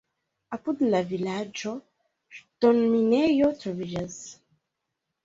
Apud la vilaĝo ŝtonminejo troviĝas.